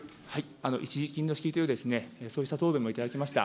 一時金の資金供与、そうした答弁もいただきました。